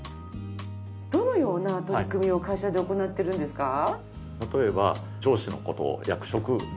どのような取り組みを会社で行ってるんですか？